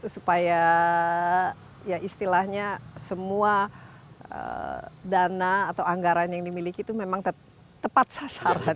supaya ya istilahnya semua dana atau anggaran yang dimiliki itu memang tepat sasaran